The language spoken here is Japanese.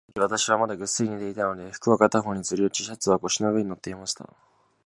そのとき、私はまだぐっすり眠っていたので、服は片方にずり落ち、シャツは腰の上に載っていました。